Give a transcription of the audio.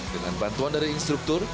dengan bantuan dari instruktur